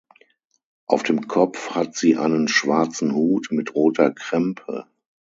Auf dem Kopf hat sie einen schwarzen Hut mit roter Krempe.